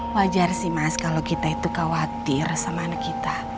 wajar sih mas kalau kita itu khawatir sama anak kita